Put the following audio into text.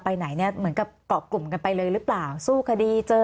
ไหนเนี่ยเหมือนกับเกาะกลุ่มกันไปเลยหรือเปล่าสู้คดีเจอ